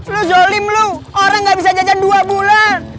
lu zolim lu orang gak bisa jajan dua bulan